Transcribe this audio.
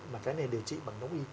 mà cái này điều trị bằng đống y